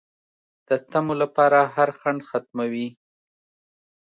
د طمعو لپاره هر خنډ ختموي